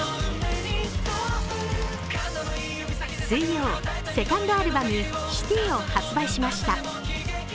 水曜、セカンドアルバム、「ＣＩＴＹ」を発売しました。